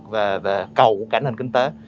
và cầu của cả nền kinh tế